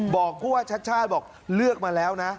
บอกก็ว่าชาติชาติบอกเลือกมาแล้วนะ